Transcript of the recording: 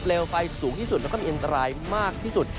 ไฟสูงที่สุดแล้วก็มีอันตรายมากที่สุด